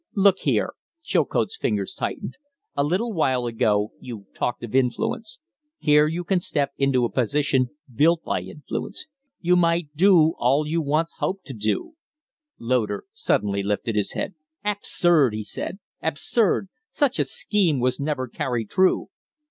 "Look here." Chilcote's fingers tightened. "A little while ago you talked of influence. Here you can step into a position built by influence. You might do all you once hoped to do " Loder suddenly lifted his head. "Absurd!" he said. "Absurd! Such a scheme was never carried through."